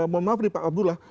mohon maaf nih pak abdullah